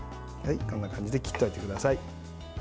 こんな感じで切っておいてください。